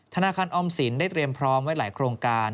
ธนาคารออมสินได้เตรียมพร้อมไว้หลายโครงการ